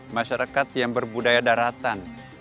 masyarakat yang berbudaya daratan